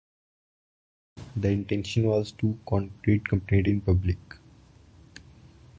The intention was to "counteract complaints in public".